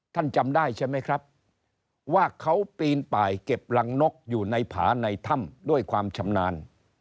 จำได้ใช่ไหมครับว่าเขาปีนป่ายเก็บรังนกอยู่ในผาในถ้ำด้วยความชำนาญ